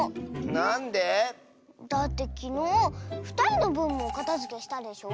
なんで？だってきのうふたりのぶんもおかたづけしたでしょ？